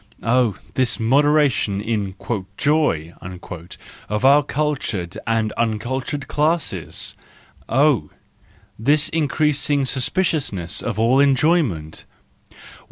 Oh, this moderation in "joy" of our cultured and uncultured classes! Oh, this increasing suspiciousness of all enjoyment!